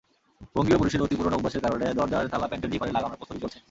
বঙ্গীয় পুরুষের অতি পুরোনো অভ্যাসের কারণে দরজার তালা প্যান্টের জিপারে লাগানোর প্রস্তুতি চলছে।